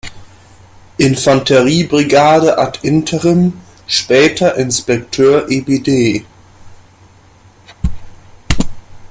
Infanteriebrigade ad Interim, später Inspekteur ebd.